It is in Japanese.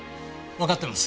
わかってます。